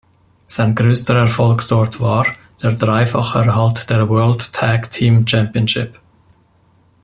Sein größter Erfolg dort war der dreifache Erhalt der World Tag Team Championship.